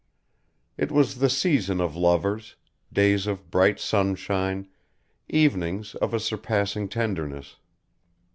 It was the season of lovers, days of bright sunshine, evenings of a surpassing tenderness.